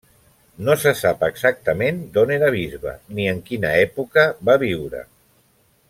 No se sap exactament d'on era bisbe ni en quina època va viure.